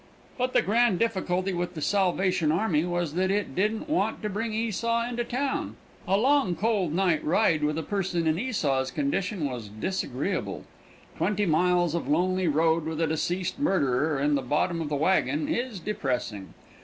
But the grand difficulty with the Salvation army was that it didn't want to bring Esau into town. A long, cold night ride with a person in Esau's condition was disagreeable. Twenty miles of lonely road with a deceased murderer in the bottom of the wagon is depressing.